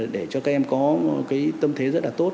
để cho các em có cái tâm thế rất là tốt